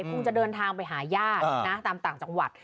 คงจะเดินทางไปหาญาตินะตามต่างจังหวัด